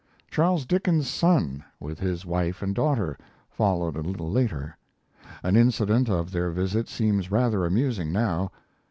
Charles Dickens's son, with his wife and daughter, followed a little later. An incident of their visit seems rather amusing now.